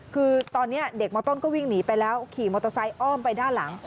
คือตอนนี้เด็กมต้นก็วิ่งหนีไปแล้วขี่มอเตอร์ไซค์อ้อมไปด้านหลัง